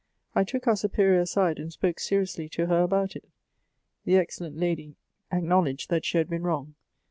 I took our Superior aside, and spoke seriously to her about it. The excellent lady acknowl edged that she had been wrong.